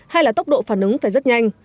hai là tốc độ phản ứng phải rất nhanh